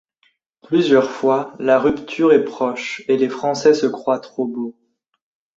Plusieurs fois, la rupture est proche et les Français se croient trop beaux.